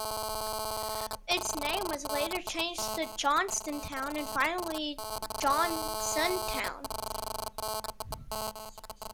Its name was later changed to Johnstontown and finally Johnsontown.